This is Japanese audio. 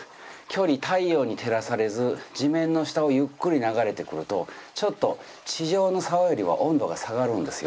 太陽に照らされず地面の下をゆっくり流れてくるとちょっと地上の沢よりは温度が下がるんですよ。